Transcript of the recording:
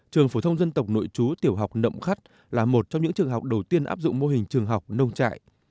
trường phổ thông dân tộc nội chú tiểu học nậm khắt là một trong những trường học đầu tiên áp dụng mô hình trường học nông trại